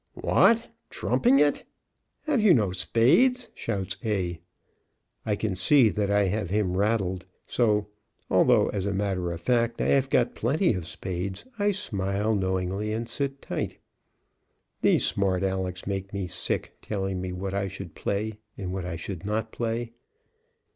"What, trumping it? Have you no spades?" shouts A. I can see that I have him rattled; so, although, as a matter of fact, I have got plenty of spades, I smile knowingly and sit tight. These smart Alecs make me sick, telling me what I should play and what I should not play.